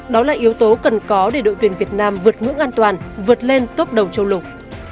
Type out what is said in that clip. đó là yếu tố cần có để đội tuyển việt nam vượt ngưỡng an toàn vượt lên top đầu châu lục